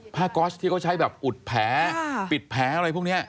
ก๊อสที่เขาใช้แบบอุดแผลปิดแผลอะไรพวกนี้